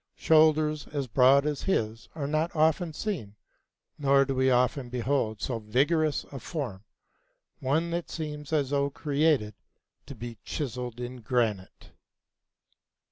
Shoulders as broad as his are not often seen, nor do we often behold so vigorous a form, one that seems as though created to be chiseled in granite.